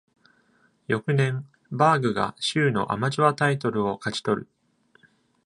翌年、バーグが州のアマチュアタイトルを勝ち取る。